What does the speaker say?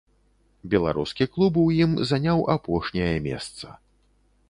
Беларускі клуб у ім заняў апошняе месца.